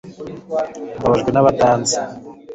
mbabajwe nabatanzi